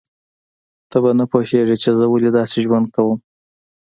ته به نه پوهیږې چې زه ولې داسې ژوند کوم